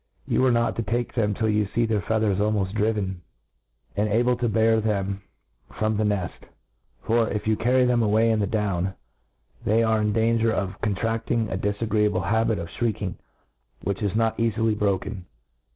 You are not to take them till you fee their feathers almoft driven. 144 A T RE AXIS E O IP I driven, and' able to bear them from the ncft j for, if you carry them away in the down, they 4re in danger of contraftirig a difagreeable habit of fhrieking, l^hich is not cafily broken.